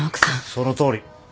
そのとおり。